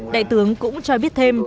đại tướng cũng cho biết thêm